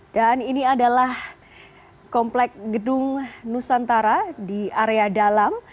dan ini adalah komplek gedung nusantara di area dalam